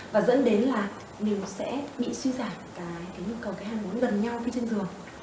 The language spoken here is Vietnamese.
và dẫn đến là mình sẽ bị suy giảm cái nhu cầu cái hàm muốn gần nhau trên giường